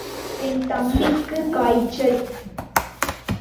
என் தம்பிக்கு காய்ச்சல்.